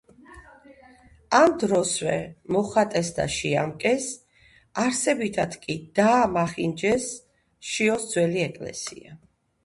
ამ დროსვე მოხატეს და „შეამკეს“, არსებითად კი დაამახინჯეს შიოს ძველი ეკლესია.